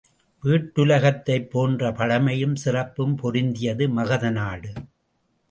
வீட்டுலகத்தைப் போன்ற பழமையும் சிறப்பும் பொருந்தியது மகதநாடு.